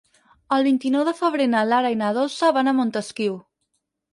El vint-i-nou de febrer na Lara i na Dolça van a Montesquiu.